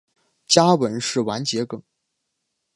家纹是丸桔梗。